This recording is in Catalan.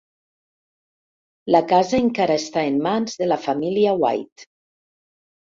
La casa encara està en mans de la família White.